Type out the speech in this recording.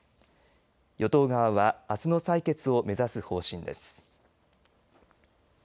与党側はあすの採決を目指す方針です。